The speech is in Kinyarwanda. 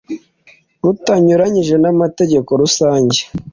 rutanyuranyije n amategeko rusange